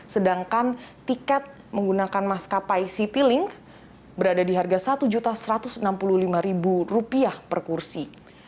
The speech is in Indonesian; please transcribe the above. sedangkan tiket menggunakan maskapai citylink berada di harga rp satu satu ratus enam puluh lima per kursi